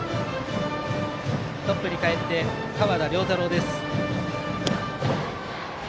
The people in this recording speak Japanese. トップにかえってバッターは河田凌太郎です。